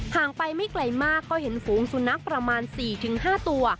งไปไม่ไกลมากก็เห็นฝูงสุนัขประมาณ๔๕ตัว